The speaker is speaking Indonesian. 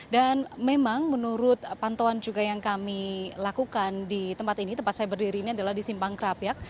dan memang menurut pantauan juga yang kami lakukan di tempat ini tempat saya berdiri ini adalah di simpang kerapia